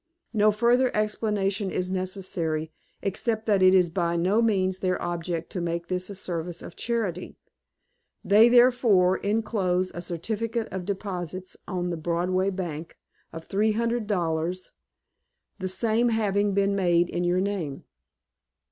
No further explanation is necessary, except that it is by no means their object to make this a service of charity. They therefore inclose a certificate of deposits on the Broadway Bank, of three hundred dollars, the same having been made in your name.